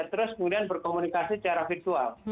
kemudian berkomunikasi secara virtual